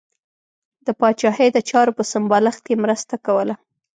د پاچاهۍ د چارو په سمبالښت کې مرسته کوله.